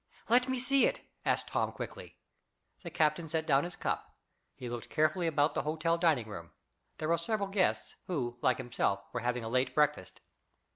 "Let me see it?" asked Tom quickly. The captain set down his cup. He looked carefully about the hotel dining room. There were several guests, who, like himself, were having a late breakfast.